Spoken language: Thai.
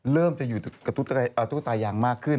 เริ่มจะอยู่กับตู้ตายางมากขึ้น